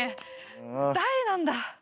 誰なんだ？